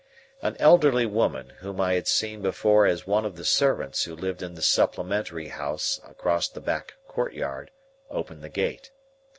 An elderly woman, whom I had seen before as one of the servants who lived in the supplementary house across the back courtyard, opened the gate.